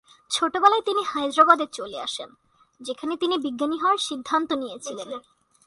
ছোটবেলায় তিনি হায়দ্রাবাদে চলে আসেন; যেখানে তিনি বিজ্ঞানী হওয়ার সিদ্ধান্ত নিয়েছিলেন।